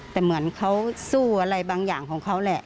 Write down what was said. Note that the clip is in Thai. แต่เหมือนเขาสู้อะไรบางอย่างของเขาแหละ